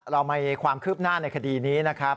เรามีความคืบหน้าในคดีนี้นะครับ